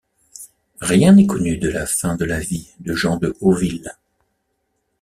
Rien n'est connu de la fin de la vie de Jean de Hauville.